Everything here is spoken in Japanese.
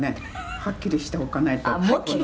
「はっきりしておかないとこの際」